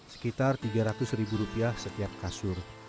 sekitar tiga ratus ribu rupiah setiap kasur